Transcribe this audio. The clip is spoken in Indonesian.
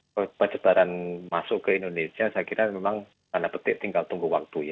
penyebaran masuk ke indonesia saya kira memang tanda petik tinggal tunggu waktu ya